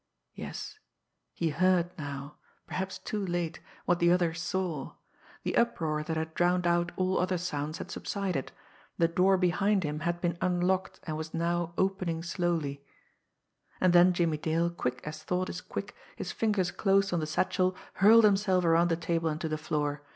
Yes, he heard now perhaps too late what the other saw. The uproar that had drowned out all other sounds had subsided the door behind him had been unlocked and was now opening slowly. And then Jimmie Dale, quick as thought is quick, his fingers closed on the satchel, hurled himself around the table and to the floor.